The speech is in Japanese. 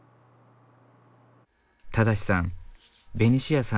正さんベニシアさん